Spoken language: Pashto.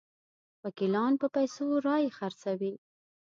وکیلان په پیسو رایې خرڅوي.